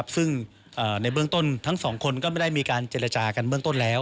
ซึ่งในเมืองต้นทั้งสองคนก็ไม่ได้การเจรจากัน